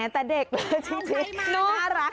แต่เด็กฮะชิคกี้พีน่ารัก